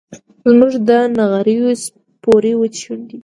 زموږ د نغریو سپورې وچې شونډي